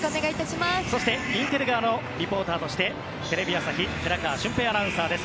そしてインテル側のリポーターとしてテレビ朝日寺川俊平アナウンサーです。